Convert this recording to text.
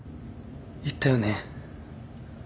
言ったよね